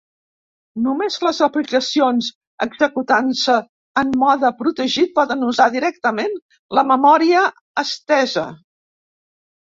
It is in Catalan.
Només les aplicacions executant-se en mode protegit poden usar directament la memòria estesa.